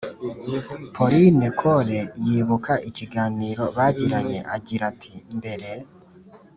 Pauline Cole yibuka ikiganiro bagiranye agira ati mbere